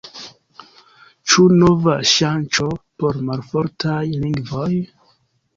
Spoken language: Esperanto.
Ĉu nova ŝanco por malfortaj lingvoj?